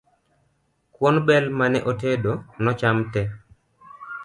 Kuon bel mane otedo nocham tee